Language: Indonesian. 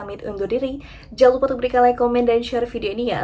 jangan lupa like komen dan share video ini ya